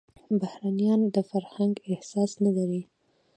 بهرنيان د فرهنګ احساس نه لري.